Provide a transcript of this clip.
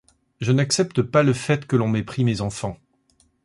Je n’accepte pas le fait que l’on m’ait pris mes enfants.